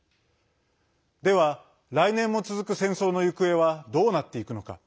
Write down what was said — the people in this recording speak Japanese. では、来年も続く戦争の行方はどうなっていくのか。